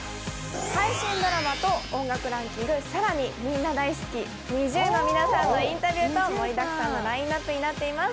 配信ドラマと音楽ランキング、更にみんな大好き、ＮｉｚｉＵの皆さんのインタビューと盛りだくさんのラインナップになっています。